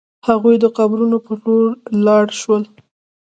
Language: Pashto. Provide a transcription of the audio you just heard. هغوی د قبرونو په لور لاړ شول.